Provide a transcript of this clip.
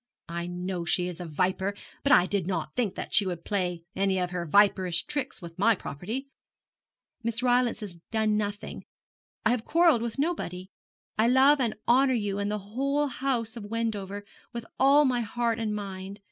I know she is a viper; but I did not think she would play any of her viperish tricks with my property.' 'Miss Rylance has done nothing. I have quarrelled with nobody. I love and honour you and the whole house of Wendover with all my heart and mind.